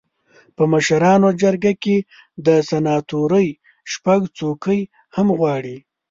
په مشرانو جرګه کې د سناتورۍ شپږ څوکۍ هم غواړي.